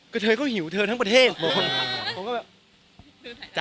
ก็เธอก็หิวเธอทั้งประเทศผมก็แบบจ้ะ